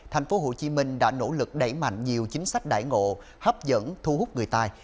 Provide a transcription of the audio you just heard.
tp hcm đã nỗ lực đẩy mạnh nhiều chính sách đại ngộ hấp dẫn thu hút người tài